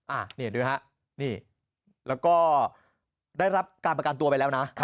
อ่ะนี่ดูฮะนี่แล้วก็ได้รับการประกันตัวไปแล้วนะ